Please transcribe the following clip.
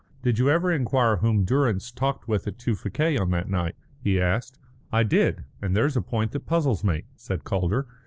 "Did you never inquire whom Durrance talked with at Tewfikieh on that night?" he asked. "I did, and there's a point that puzzles me," said Calder.